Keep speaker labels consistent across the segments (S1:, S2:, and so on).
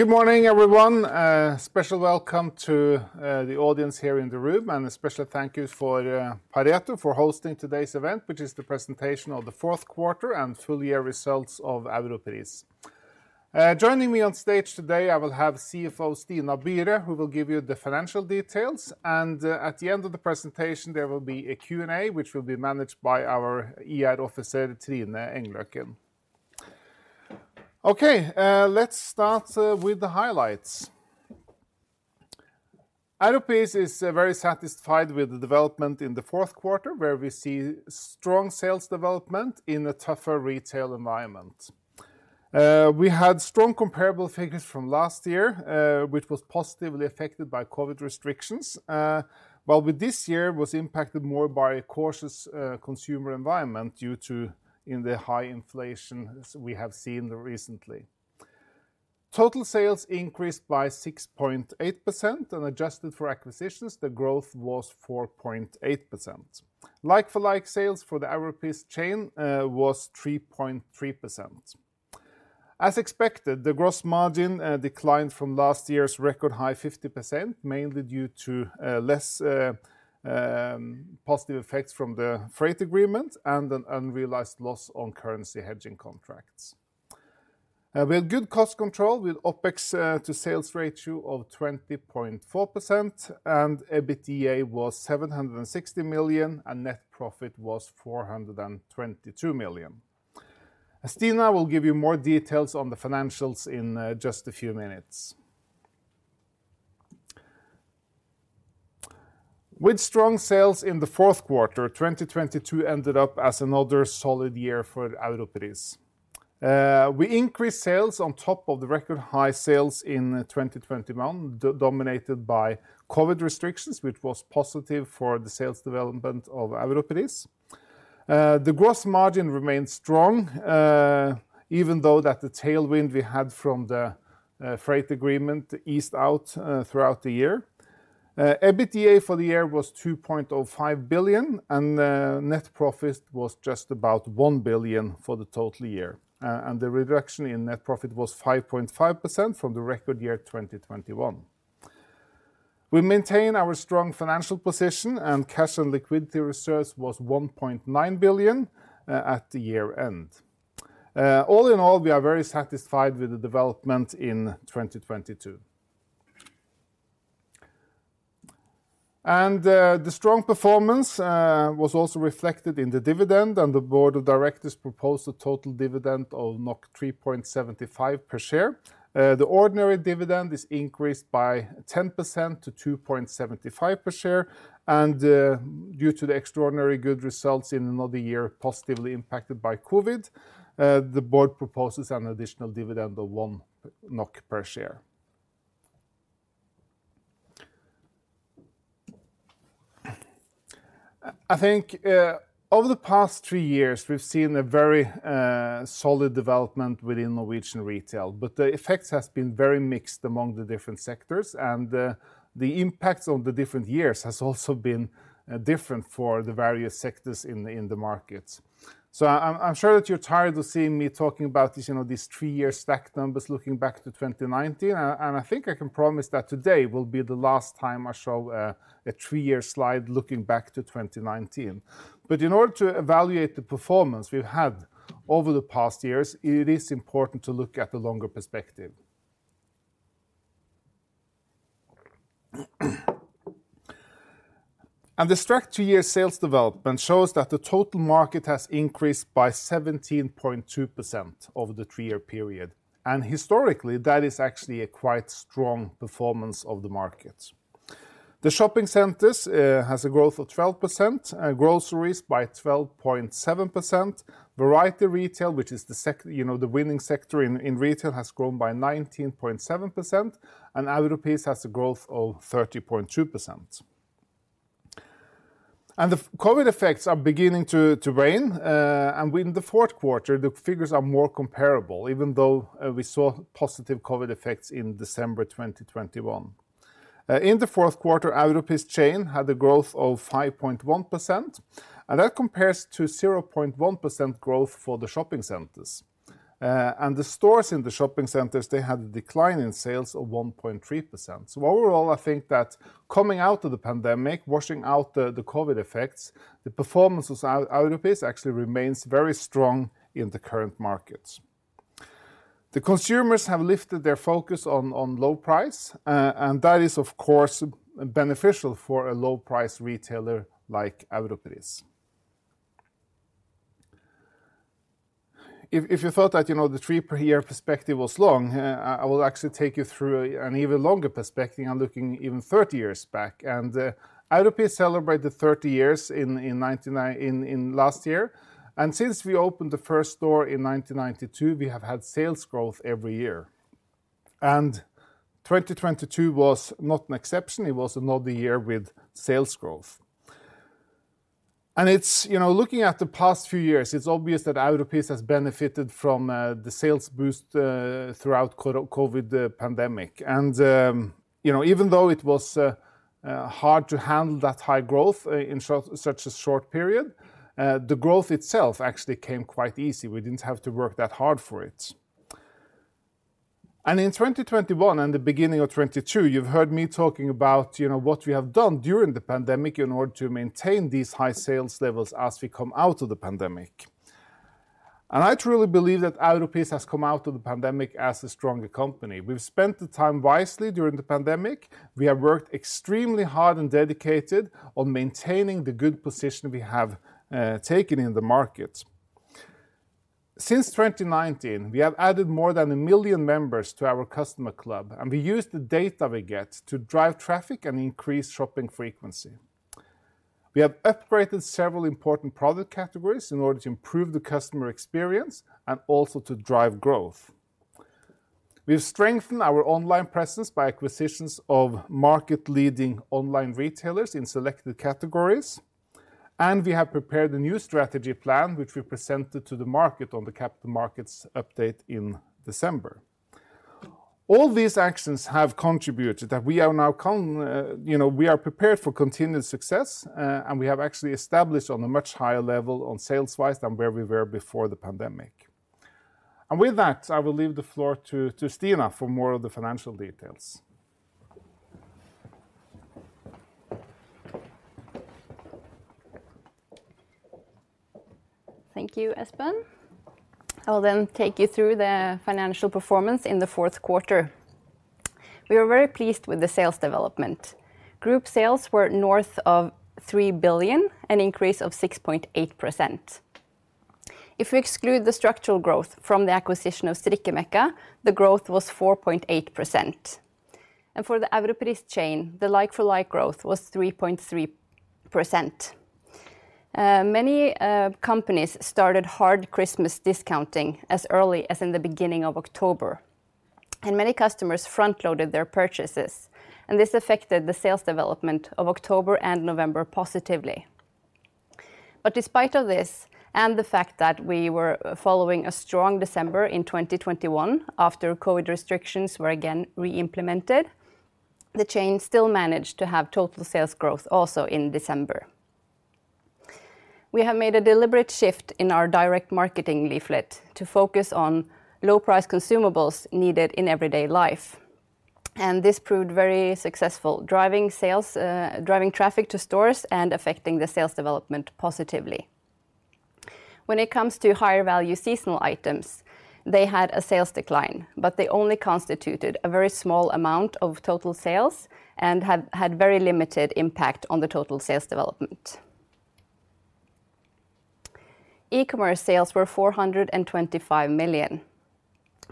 S1: Good morning, everyone. Special welcome to the audience here in the room, and a special thank you for Pareto for hosting today's event, which is the presentation of the fourth quarter and full year results of Europris. Joining me on stage today, I will have CFO Stina Byre, who will give you the financial details. At the end of the presentation, there will be a Q&A which will be managed by our IR officer Trine Engløkken. Okay, let's start with the highlights. Europris is very satisfied with the development in the fourth quarter, where we see strong sales development in a tougher retail environment. We had strong comparable figures from last year, which was positively affected by COVID restrictions. While with this year was impacted more by a cautious consumer environment due to in the high inflation as we have seen recently. Total sales increased by 6.8% and adjusted for acquisitions, the growth was 4.8%. like-for-like sales for the Europris chain was 3.3%. As expected, the gross margin declined from last year's record high 50%, mainly due to less positive effects from the freight agreement and an unrealized loss on currency hedging contracts. We had good cost control with OpEx to sales ratio of 20.4% and EBITDA was 760 million, and net profit was 422 million. As Stina will give you more details on the financials in just a few minutes. With strong sales in the fourth quarter, 2022 ended up as another solid year for Europris. We increased sales on top of the record high sales in 2021, dominated by COVID restrictions, which was positive for the sales development of Europris. The gross margin remained strong, even though that the tailwind we had from the freight agreement eased out throughout the year. EBITDA for the year was 2.05 billion and net profit was just about 1 billion for the total year. The reduction in net profit was 5.5% from the record year 2021. We maintain our strong financial position and cash and liquidity reserves was 1.9 billion at the year-end. All in all, we are very satisfied with the development in 2022. The strong performance was also reflected in the dividend, and the board of directors proposed a total dividend of 3.75 per share. The ordinary dividend is increased by 10% to 2.75 per share. Due to the extraordinary good results in another year, positively impacted by COVID, the board proposes an additional dividend of 1 NOK per share. I think, over the past three years, we've seen a very solid development within Norwegian retail, but the effects has been very mixed among the different sectors, and the impact on the different years has also been different for the various sectors in the markets. I'm sure that you're tired of seeing me talking about this, you know, these three-year stack numbers looking back to 2019. I think I can promise that today will be the last time I show a three-year slide looking back to 2019. In order to evaluate the performance we've had over the past years, it is important to look at the longer perspective. The straight two-year sales development shows that the total market has increased by 17.2% over the three-year period. Historically, that is actually a quite strong performance of the market. The shopping centers has a growth of 12%, groceries by 12.7%. Variety retail, which is, you know, the winning sector in retail, has grown by 19.7%, and Europris has a growth of 30.2%. The COVID effects are beginning to wane. Within the fourth quarter, the figures are more comparable, even though we saw positive COVID effects in December 2021. In the fourth quarter, Europris chain had a growth of 5.1%, and that compares to 0.1% growth for the shopping centers. The stores in the shopping centers, they had a decline in sales of 1.3%. Overall, I think that coming out of the pandemic, washing out the COVID effects, the performance of Europris actually remains very strong in the current market. The consumers have lifted their focus on low price, and that is, of course, beneficial for a low price retailer like Europris. If you thought that, you know, the three per year perspective was long, I will actually take you through an even longer perspective on looking even 30 years back. Europris celebrated 30 years in last year. Since we opened the first store in 1992, we have had sales growth every year. 2022 was not an exception. It was another year with sales growth. It's, you know, looking at the past few years, it's obvious that Europris has benefited from the sales boost throughout COVID pandemic. You know, even though it was hard to handle that high growth in such a short period. The growth itself actually came quite easy. We didn't have to work that hard for it. In 2021 and the beginning of 2022, you've heard me talking about, you know, what we have done during the pandemic in order to maintain these high sales levels as we come out of the pandemic. I truly believe that Europris has come out of the pandemic as a stronger company. We've spent the time wisely during the pandemic. We have worked extremely hard and dedicated on maintaining the good position we have taken in the market. Since 2019, we have added more than 1 million members to our customer club, and we use the data we get to drive traffic and increase shopping frequency. We have upgraded several important product categories in order to improve the customer experience and also to drive growth. We've strengthened our online presence by acquisitions of market leading online retailers in selected categories. We have prepared a new strategy plan which we presented to the market on the capital markets update in December. All these actions have contributed. You know, we are prepared for continued success, and we have actually established on a much higher level on sales wise than where we were before the pandemic. With that, I will leave the floor to Stina for more of the financial details.
S2: Thank you, Espen. I will take you through the financial performance in the fourth quarter. We are very pleased with the sales development. Group sales were north of 3 billion, an increase of 6.8%. If we exclude the structural growth from the acquisition of Strikkemekka, the growth was 4.8%. For the Europris chain, the like-for-like growth was 3.3%. Many companies started hard Christmas discounting as early as in the beginning of October, many customers front-loaded their purchases, this affected the sales development of October and November positively. Despite of this, and the fact that we were following a strong December in 2021 after COVID restrictions were again re-implemented, the chain still managed to have total sales growth also in December. We have made a deliberate shift in our direct marketing leaflet to focus on low price consumables needed in everyday life. This proved very successful driving sales, driving traffic to stores and affecting the sales development positively. When it comes to higher value seasonal items, they had a sales decline. They only constituted a very small amount of total sales and had very limited impact on the total sales development. E-commerce sales were 425 million,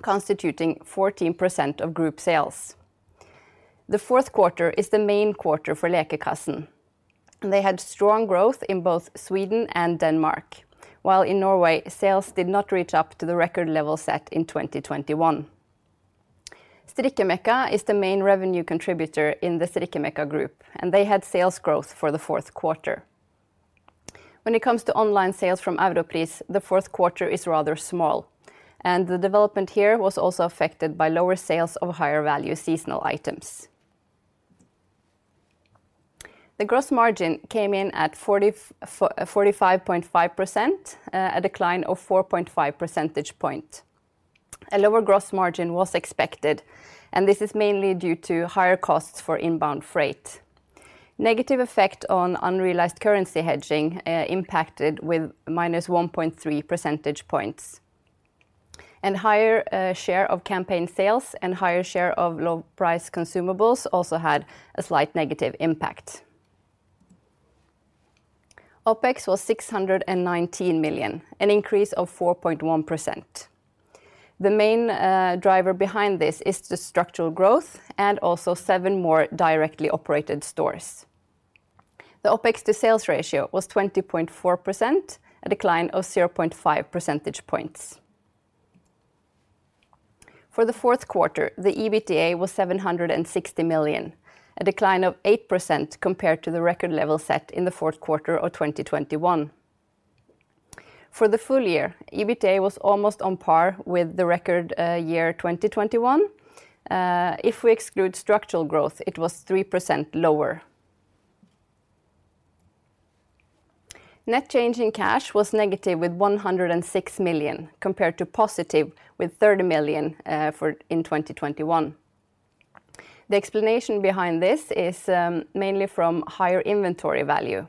S2: constituting 14% of group sales. The fourth quarter is the main quarter for Lekekassen. They had strong growth in both Sweden and Denmark, while in Norway, sales did not reach up to the record level set in 2021. Strikkemekka is the main revenue contributor in the Strikkemekka group. They had sales growth for the fourth quarter. When it comes to online sales from Europris, the fourth quarter is rather small, and the development here was also affected by lower sales of higher value seasonal items. The gross margin came in at 45.5%, a decline of 4.5 percentage points. A lower gross margin was expected, and this is mainly due to higher costs for inbound freight. Negative effect on unrealized currency hedging impacted with -1.3 percentage points. Higher share of campaign sales and higher share of low price consumables also had a slight negative impact. OpEx was 619 million, an increase of 4.1%. The main driver behind this is the structural growth and also seven more directly operated stores. The OpEx to sales ratio was 20.4%, a decline of 0.5 percentage points. For the fourth quarter, the EBITDA was 760 million, a decline of 8% compared to the record level set in the fourth quarter of 2021. For the full year, EBITDA was almost on par with the record year, 2021. If we exclude structural growth, it was 3% lower. Net change in cash was negative with 106 million compared to positive with 30 million in 2021. The explanation behind this is mainly from higher inventory value,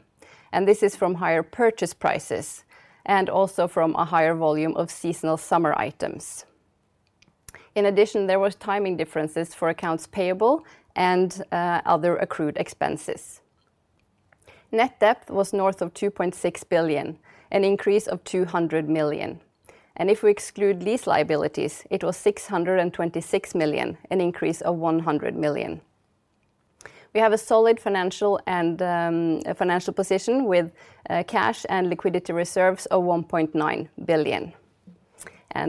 S2: and this is from higher purchase prices and also from a higher volume of seasonal summer items. In addition, there was timing differences for accounts payable and other accrued expenses. Net debt was north of 2.6 billion, an increase of 200 million. If we exclude lease liabilities, it was 626 million, an increase of 100 million. We have a solid financial and financial position with cash and liquidity reserves of 1.9 billion.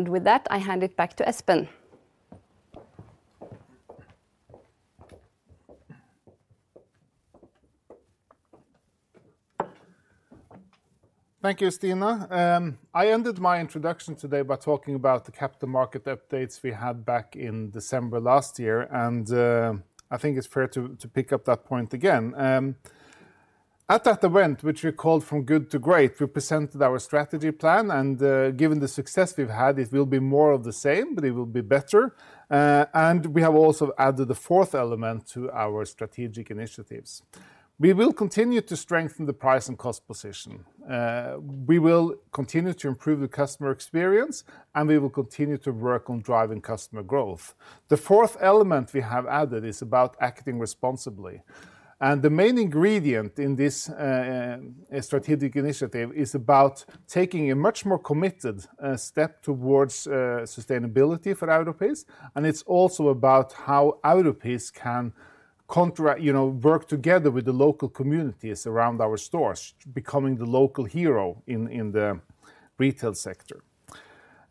S2: With that, I hand it back to Espen.
S1: Thank you, Stina. I ended my introduction today by talking about the capital market updates we had back in December last year, I think it's fair to pick up that point again. At that event, which we called from good to great, we presented our strategy plan, given the success we've had, it will be more of the same, but it will be better. We have also added a fourth element to our strategic initiatives. We will continue to strengthen the price and cost position. We will continue to improve the customer experience, we will continue to work on driving customer growth. The fourth element we have added is about acting responsibly, and the main ingredient in this strategic initiative is about taking a much more committed step towards sustainability for Europris, and it's also about how Europris can you know, work together with the local communities around our stores, becoming the local hero in the retail sector.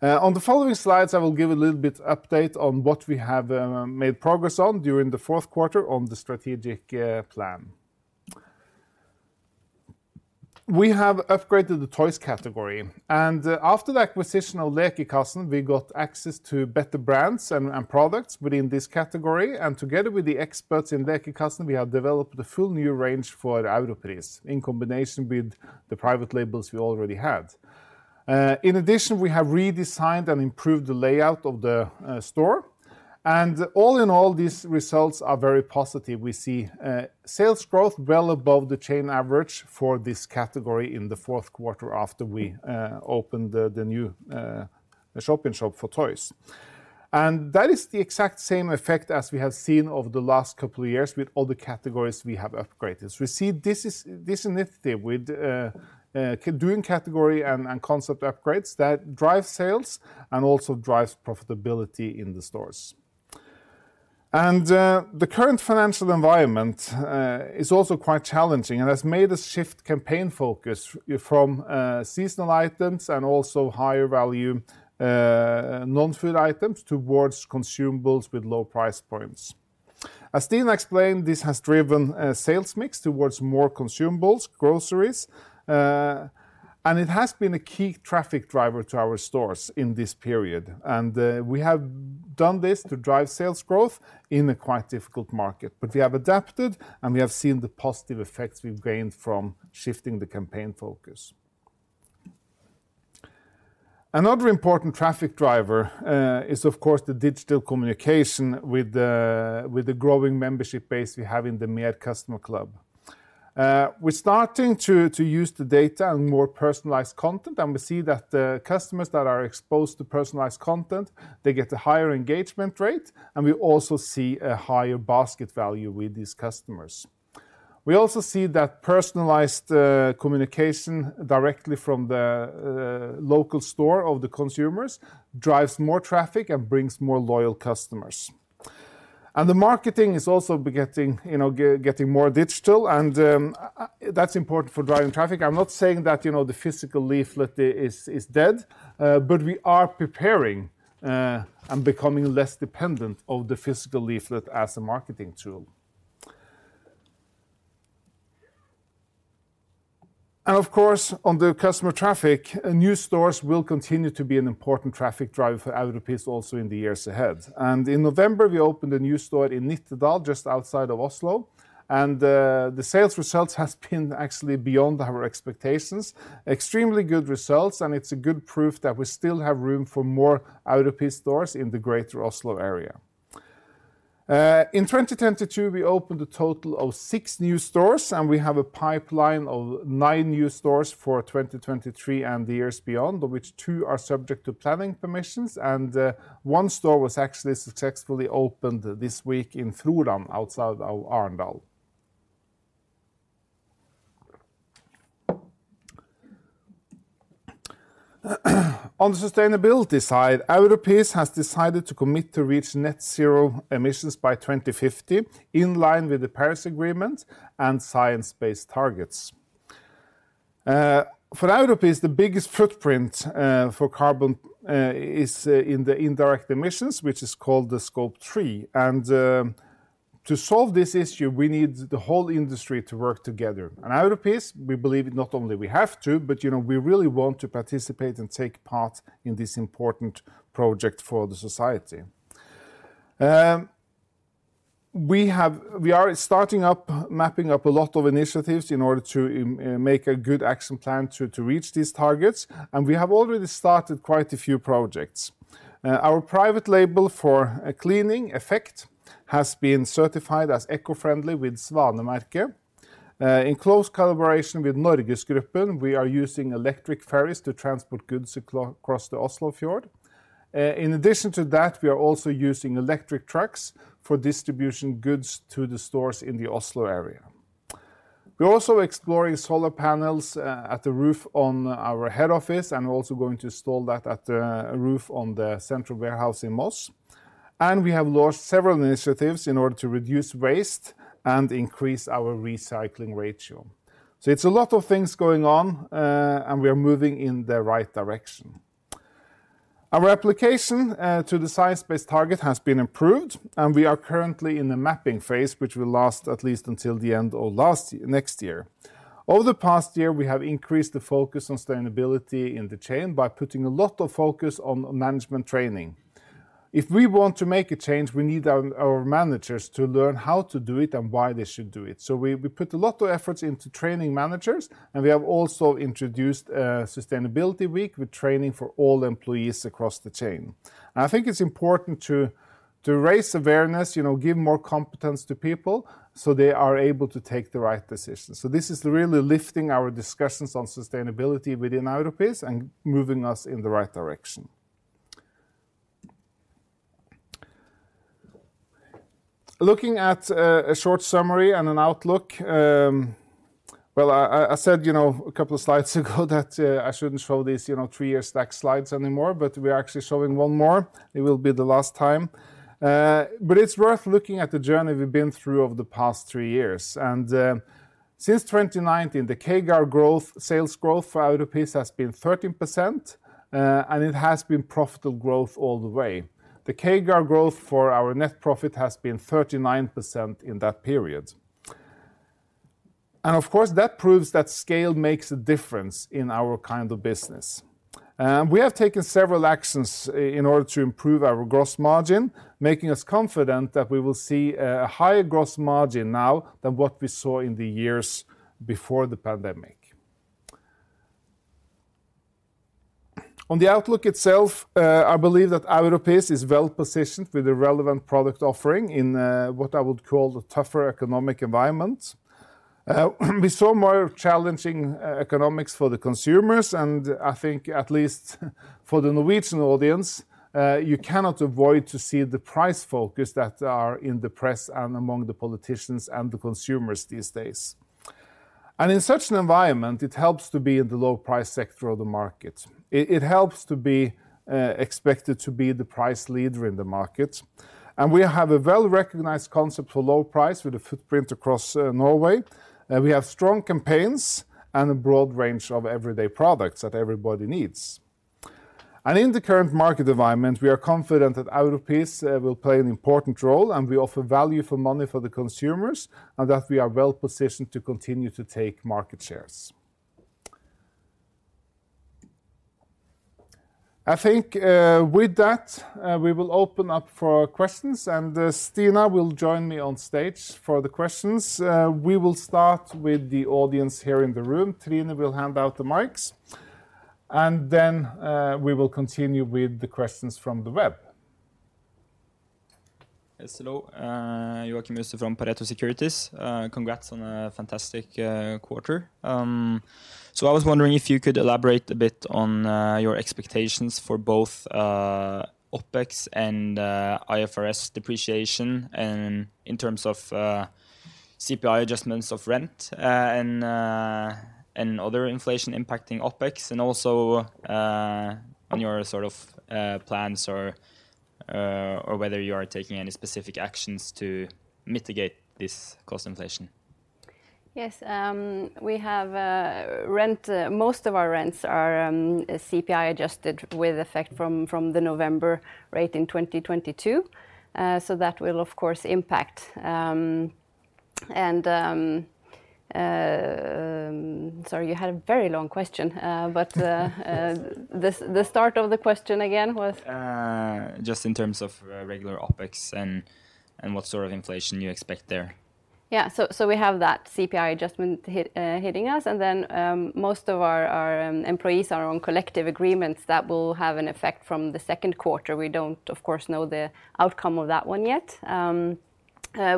S1: On the following slides, I will give a little bit update on what we have made progress on during the fourth quarter on the strategic plan. We have upgraded the toys category, and after the acquisition of Lekekassen, we got access to better brands and products within this category. Together with the experts in Lekekassen, we have developed a full new range for Europris in combination with the private labels we already had. In addition, we have redesigned and improved the layout of the store. All in all, these results are very positive. We see sales growth well above the chain average for this category in the fourth quarter after we opened the new shop in shop for toys. That is the exact same effect as we have seen over the last couple of years with all the categories we have upgraded. We see this initiative with doing category and concept upgrades that drives sales and also drives profitability in the stores. The current financial environment is also quite challenging and has made us shift campaign focus from seasonal items and also higher value non-food items towards consumables with low price points. As Stina explained, this has driven sales mix towards more consumables, groceries, and it has been a key traffic driver to our stores in this period. We have done this to drive sales growth in a quite difficult market. We have adapted, and we have seen the positive effects we've gained from shifting the campaign focus. Another important traffic driver is of course the digital communication with the growing membership base we have in the Mer customer club. We're starting to use the data and more personalized content, and we see that the customers that are exposed to personalized content, they get a higher engagement rate, and we also see a higher basket value with these customers. We also see that personalized communication directly from the local store of the consumers drives more traffic and brings more loyal customers. The marketing is also getting, you know, getting more digital, that's important for driving traffic. I'm not saying that, you know, the physical leaflet is dead, but we are preparing and becoming less dependent of the physical leaflet as a marketing tool. Of course, on the customer traffic, new stores will continue to be an important traffic driver for Europris also in the years ahead. In November, we opened a new store in Nittedal, just outside of Oslo, the sales results has been actually beyond our expectations. Extremely good results. It's a good proof that we still have room for more Europris stores in the greater Oslo area. In 2022, we opened a total of six new stores, and we have a pipeline of nine new stores for 2023 and the years beyond, of which two are subject to planning permissions, and one store was actually successfully opened this week in Froland, outside of Arendal. On the sustainability side, Europris has decided to commit to reach net zero emissions by 2050 in line with the Paris Agreement and Science Based Targets. For Europris the biggest footprint for carbon is in the indirect emissions, which is called the scope 3. To solve this issue, we need the whole industry to work together. In Europris, we believe not only we have to, but, you know, we really want to participate and take part in this important project for the society. We are starting up, mapping up a lot of initiatives in order to make a good action plan to reach these targets. We have already started quite a few projects. Our private label for cleaning, Effekt, has been certified as eco-friendly with Svanemerket. In close collaboration with Norgesgruppen, we are using electric ferries to transport goods across the Oslofjord. In addition to that, we are also using electric trucks for distribution goods to the stores in the Oslo area. We're also exploring solar panels at the roof on our head office and also going to install that at the roof on the central warehouse in Moss. We have launched several initiatives in order to reduce waste and increase our recycling ratio. It's a lot of things going on, and we are moving in the right direction. Our application to the science based targets has been approved, and we are currently in the mapping phase, which will last at least until the end of next year. Over the past year, we have increased the focus on sustainability in the chain by putting a lot of focus on management training. If we want to make a change, we need our managers to learn how to do it and why they should do it. We put a lot of efforts into training managers, and we have also introduced a sustainability week with training for all employees across the chain. I think it's important to raise awareness, you know, give more competence to people, so they are able to take the right decisions. This is really lifting our discussions on sustainability within Europris and moving us in the right direction. Looking at a short summary and an outlook, well, I said, you know, a couple of slides ago that I shouldn't show these, you know, three-year stack slides anymore, we're actually showing one more. It will be the last time. It's worth looking at the journey we've been through over the past three years. Since 2019, the CAGR growth, sales growth for Europris has been 13%, and it has been profitable growth all the way. The CAGR growth for our net profit has been 39% in that period. Of course, that proves that scale makes a difference in our kind of business. We have taken several actions in order to improve our gross margin, making us confident that we will see a higher gross margin now than what we saw in the years before the pandemic. On the outlook itself, I believe that Europris is well-positioned with a relevant product offering in what I would call the tougher economic environment. We saw more challenging economics for the consumers, I think at least for the Norwegian audience, you cannot avoid to see the price focus that are in the press and among the politicians and the consumers these days. In such an environment, it helps to be in the low price sector of the market. It helps to be expected to be the price leader in the market. We have a well-recognized concept for low price with a footprint across Norway. We have strong campaigns and a broad range of everyday products that everybody needs. In the current market environment, we are confident that Europris will play an important role, and we offer value for money for the consumers, and that we are well-positioned to continue to take market shares. I think, with that, we will open up for questions. Stina will join me on stage for the questions. We will start with the audience here in the room. Trine will hand out the mics. We will continue with the questions from the web.
S3: Yes, hello. Joakim Øvstaas from Pareto Securities. Congrats on a fantastic quarter. I was wondering if you could elaborate a bit on your expectations for both OpEx and IFRS depreciation in terms of CPI adjustments of rent, and other inflation impacting OpEx, and also on your sort of plans or whether you are taking any specific actions to mitigate this cost inflation.
S2: Yes. We have rent, most of our rents are CPI adjusted with effect from the November rate in 2022. That will of course impact, and sorry, you had a very long question. The start of the question again was?
S3: Just in terms of regular OpEx and what sort of inflation you expect there.
S2: We have that CPI adjustment hit hitting us, and then most of our employees are on collective agreements that will have an effect from the second quarter. We don't, of course, know the outcome of that one yet.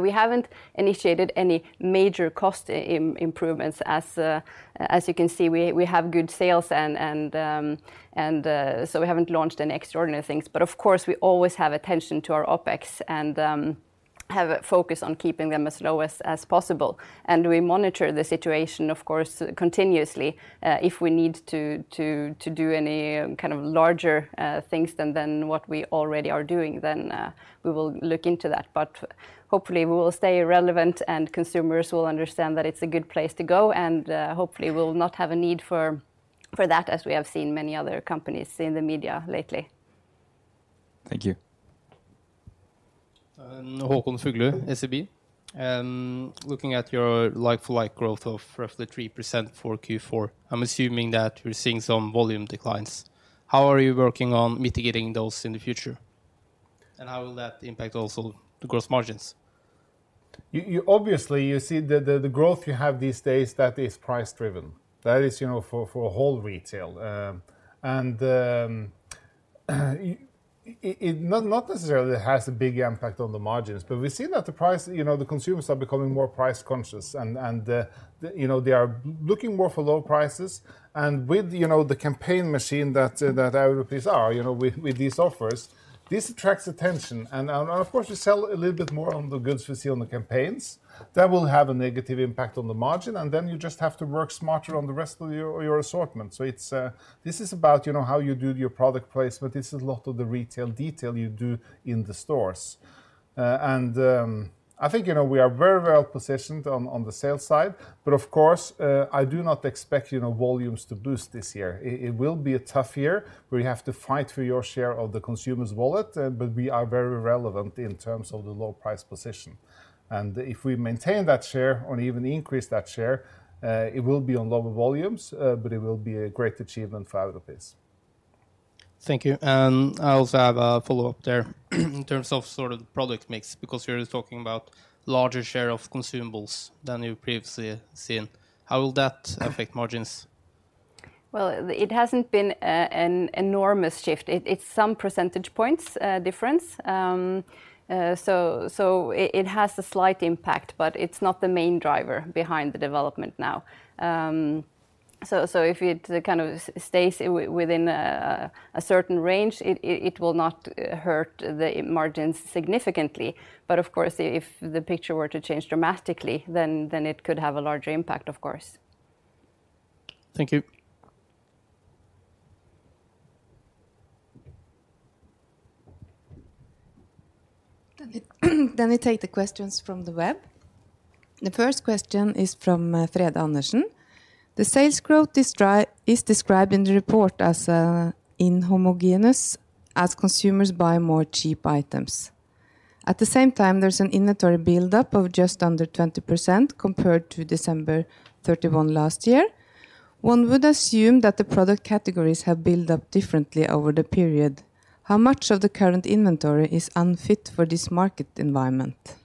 S2: We haven't initiated any major cost improvements as you can see. We have good sales and we haven't launched any extraordinary things. Of course, we always have attention to our OpEx and have a focus on keeping them as low as possible. We monitor the situation, of course, continuously. If we need to do any kind of larger things than what we already are doing, we will look into that. Hopefully we will stay relevant, and consumers will understand that it's a good place to go, and, hopefully we'll not have a need for that, as we have seen many other companies in the media lately.
S3: Thank you.
S4: Håkon Fuglu, SEB. Looking at your like-for-like growth of roughly 3% for Q4, I'm assuming that we're seeing some volume declines. How are you working on mitigating those in the future? How will that impact also the gross margins?
S1: You. Obviously, you see the growth you have these days, that is price driven. That is, you know, for all retail. And it not necessarily has a big impact on the margins, but we've seen that the price, you know, the consumers are becoming more price conscious and, you know, they are looking more for low prices. With, you know, the campaign machine that Europris are, you know, with these offers, this attracts attention. Of course, we sell a little bit more on the goods we see on the campaigns. That will have a negative impact on the margin, and then you just have to work smarter on the rest of your assortment. It's about, you know, how you do your product placement. This is a lot of the retail detail you do in the stores. I think, you know, we are very well positioned on the sales side, but of course, I do not expect, you know, volumes to boost this year. It will be a tough year where you have to fight for your share of the consumer's wallet, but we are very relevant in terms of the low price position. If we maintain that share or even increase that share, it will be on lower volumes, but it will be a great achievement for Europris.
S4: Thank you. I also have a follow-up there in terms of sort of product mix because you're talking about larger share of consumables than you've previously seen. How will that affect margins?
S2: It hasn't been an enormous shift. It's some percentage points difference. It has a slight impact, but it's not the main driver behind the development now. If it kind of stays within a certain range, it will not hurt the margins significantly. Of course, if the picture were to change dramatically, then it could have a larger impact, of course.
S4: Thank you.
S5: We take the questions from the web. The first question is from Peder Strand. The sales growth is described in the report as inhomogeneous as consumers buy more cheap items. At the same time, there's an inventory build-up of just under 20% compared to December 31 last year. One would assume that the product categories have built up differently over the period. How much of the current inventory is unfit for this market environment?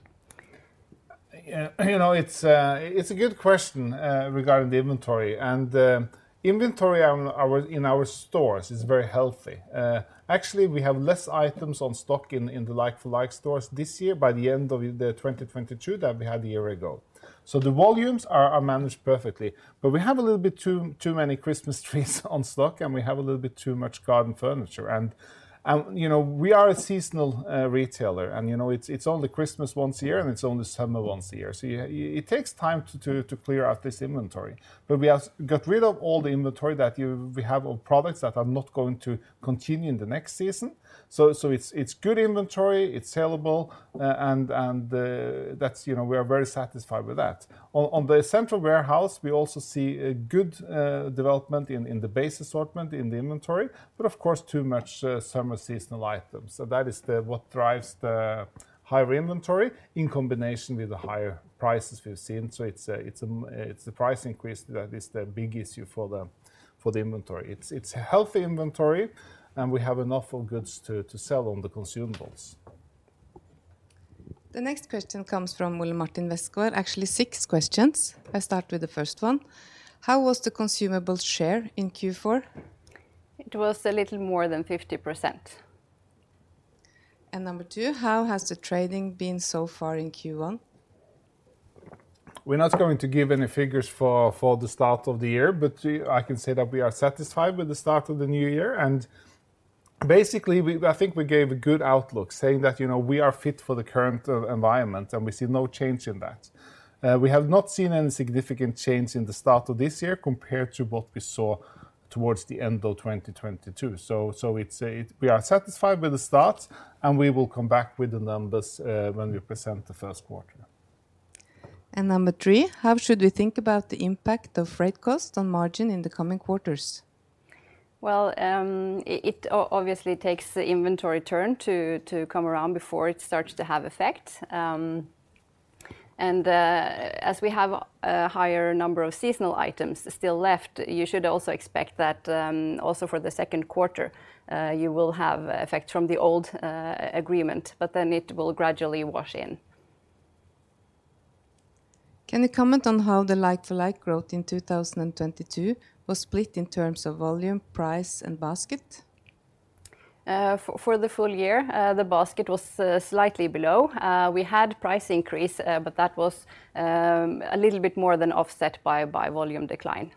S1: You know, it's a good question regarding the inventory. Inventory in our stores is very healthy. Actually, we have less items on stock in the like-for-like stores this year by the end of 2022 than we had a year ago. The volumes are managed perfectly, but we have a little bit too many Christmas trees on stock, and we have a little bit too much garden furniture. You know, we are a seasonal retailer, and you know, it's only Christmas once a year, and it's only summer once a year. It takes time to clear out this inventory. We have got rid of all the inventory that we have of products that are not going to continue in the next season. It's good inventory, it's sellable, and that's, you know, we are very satisfied with that. On the central warehouse, we also see a good development in the base assortment in the inventory, but of course, too much summer seasonal items. That is what drives the higher inventory in combination with the higher prices we've seen. It's a, it's the price increase that is the big issue for the inventory. It's healthy inventory, and we have enough of goods to sell on the consumables.
S5: The next question comes from Ole Martin Westgaard. Actually, six questions. I start with the first one. How was the consumable share in Q4?
S2: It was a little more than 50%.
S5: Number two. How has the trading been so far in Q1?
S1: We're not going to give any figures for the start of the year, but I can say that we are satisfied with the start of the new year. Basically, I think we gave a good outlook saying that, you know, we are fit for the current environment, and we see no change in that. We have not seen any significant change in the start of this year compared to what we saw towards the end of 2022. We are satisfied with the start, and we will come back with the numbers when we present the first quarter.
S5: Number three: How should we think about the impact of freight costs on margin in the coming quarters?
S2: Well, it obviously takes the inventory turn to come around before it starts to have effect. As we have a higher number of seasonal items still left, you should also expect that, also for the second quarter, you will have effect from the old agreement. It will gradually wash in.
S5: Can you comment on how the like-for-like growth in 2022 was split in terms of volume, price, and basket?
S2: For the full year, the basket was slightly below. We had price increase, but that was a little bit more than offset by a volume decline.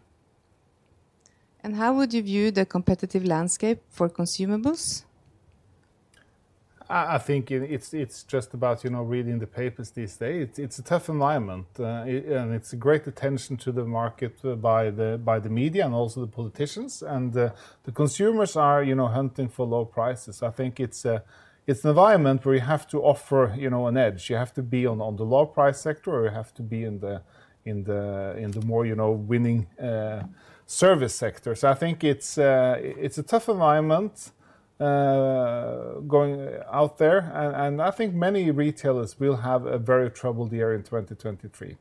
S5: How would you view the competitive landscape for consumables?
S1: I think it's just about, you know, reading the papers these days. It's a tough environment. It's a great attention to the market by the media and also the politicians. The consumers are, you know, hunting for low prices. I think it's an environment where you have to offer, you know, an edge. You have to be on the low price sector or you have to be in the more, you know, winning service sector. I think it's a tough environment going out there and I think many retailers will have a very troubled year in 2023.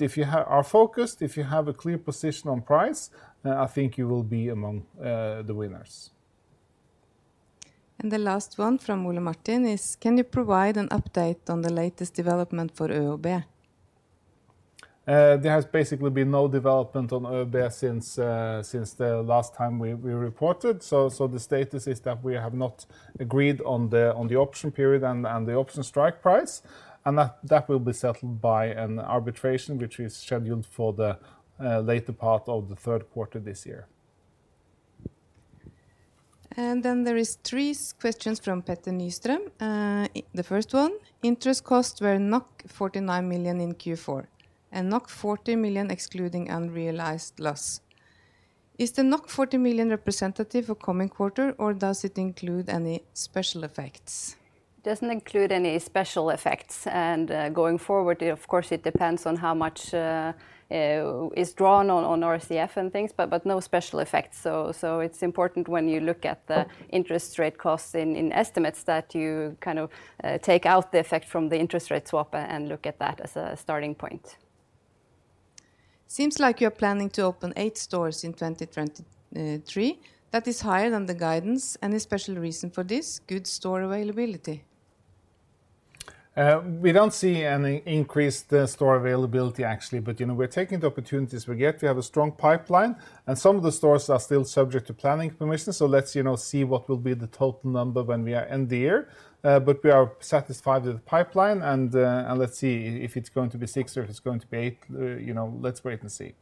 S1: If you are focused, if you have a clear position on price, I think you will be among the winners.
S5: The last one from Ole Martin is: Can you provide an update on the latest development for ÖoB?
S1: There has basically been no development on ÖoB since the last time we reported. The status is that we have not agreed on the option period and the option strike price, and that will be settled by an arbitration which is scheduled for the later part of the third quarter this year.
S5: There is three questions from Petter Nystrøm. The first one: Interest costs were 49 million in Q4 and 40 million excluding unrealized loss. Is the 40 million representative of coming quarter, or does it include any special effects?
S2: Doesn't include any special effects. Going forward, of course, it depends on how much is drawn on RCF and things, but no special effects. It's important when you look at the interest rate costs in estimates that you kind of take out the effect from the interest rate swap and look at that as a starting point.
S5: Seems like you're planning to open eight stores in 2023. That is higher than the guidance. Any special reason for this? Good store availability?
S1: We don't see any increased store availability actually, but, you know, we're taking the opportunities we get. We have a strong pipeline, and some of the stores are still subject to planning permission. Let's, you know, see what will be the total number when we are end the year. We are satisfied with the pipeline and let's see if it's going to be six or if it's going to be eight. You know, let's wait and see.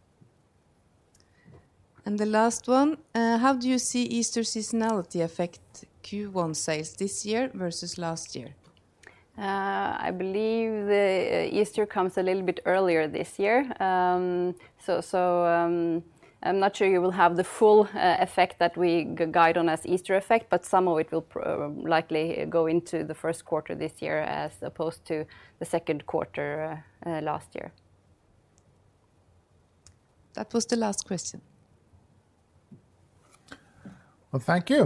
S5: The last one: how do you see Easter seasonality affect Q1 sales this year versus last year?
S2: I believe Easter comes a little bit earlier this year. I'm not sure you will have the full effect that we guide on as Easter effect, but some of it will likely go into the first quarter this year as opposed to the second quarter last year.
S5: That was the last question.
S1: Well, thank you.